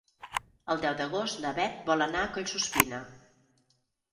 El deu d'agost na Bet vol anar a Collsuspina.